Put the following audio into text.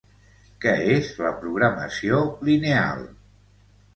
Què és la Programació Lineal?